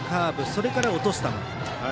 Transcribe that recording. それから落とす球。